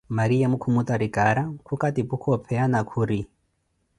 Mariamo khumutari cara, khukatiphuka opeya na khuri